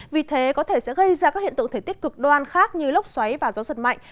vì thế có thể sẽ gây ra các hiện tượng thời tiết cực đoan khác như lốc xoáy và gió giật mạnh